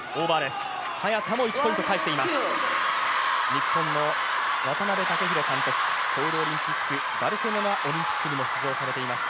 日本の渡辺武弘監督、ソウルオリンピック、バルセロナオリンピックにも出場されています。